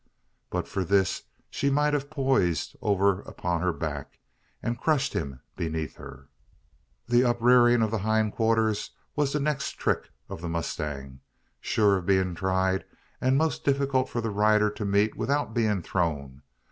But for this she might have poised over upon her back, and crushed him beneath her. The uprearing of the hind quarters was the next "trick" of the mustang sure of being tried, and most difficult for the rider to meet without being thrown.